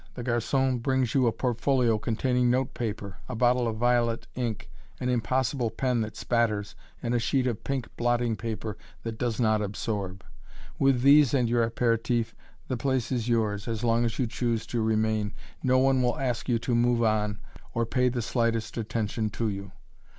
The garçon brings you a portfolio containing note paper, a bottle of violet ink, an impossible pen that spatters, and a sheet of pink blotting paper that does not absorb. With these and your apéritif, the place is yours as long as you choose to remain. No one will ask you to "move on" or pay the slightest attention to you.